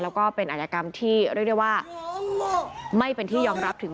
แล้วก็เป็นอาจกรรมที่เรียกได้ว่าไม่เป็นที่ยอมรับถึง